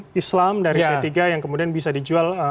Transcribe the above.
bagian dari instrumen islam dari pks yang kemudian bisa dijual